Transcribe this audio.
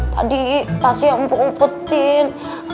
tadi tasnya aku umpetin